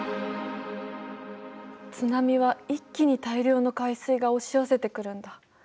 津波は一気に大量の海水が押し寄せてくるんだ。